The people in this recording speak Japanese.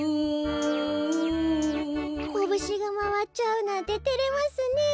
コブシがまわっちゃうなんててれますねえ。